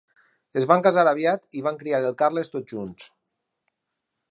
Es van casar aviat i van criar el Carles tots junts.